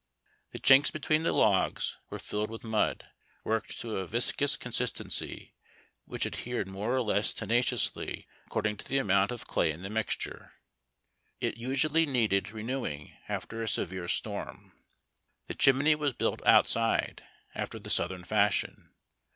The chinks between the logs were filled with mud, worked to a viscous consistency, which adhered more or less tenaciously according to the amount of clay in the mixture. It usually needed renewing after a severe storm. The chimney was built outside, after the southern fashion.